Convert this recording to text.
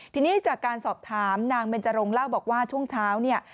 ทีนี้จากการสอบถามนางเบนจรงเล่าบอกว่าช่วงเช้าเนี่ย